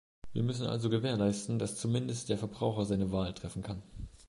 Wir müssen also gewährleisten, dass zumindest der Verbraucher seine Wahl treffen kann.